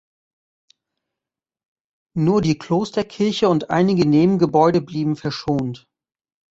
Nur die Klosterkirche und einige Nebengebäude blieben verschont.